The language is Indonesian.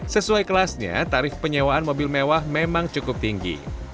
sesuai kelasnya tarif penyewaan mobil mewah memang cukup tinggi